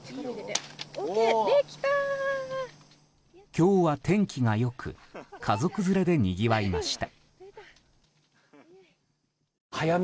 今日は天気が良く家族連れでにぎわいました。